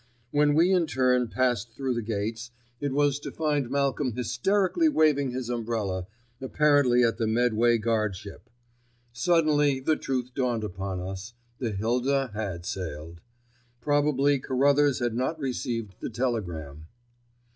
When we in turn passed through the gates, it was to find Malcolm hysterically waving his umbrella, apparently at the Medway guardship. Suddenly the truth dawned upon us, the Hilda had sailed. Probably Carruthers had not received the telegram.